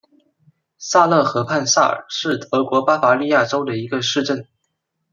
萨勒河畔萨尔是德国巴伐利亚州的一个市镇。